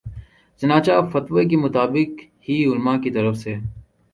چنانچہ اب فتوے کا مطلب ہی علما کی طرف سے